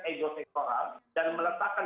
ego sektoral dan meletakkan